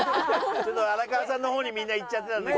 ちょっと荒川さんの方にみんないっちゃってたので。